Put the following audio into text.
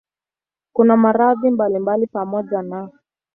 Kuna maradhi mbalimbali pamoja na